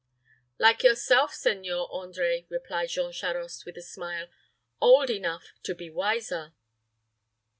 "Like yourself, Seigneur André," replied Jean Charost, with a smile; "old enough to be wiser."